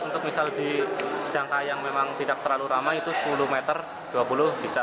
untuk misal di jangka yang memang tidak terlalu ramai itu sepuluh meter dua puluh bisa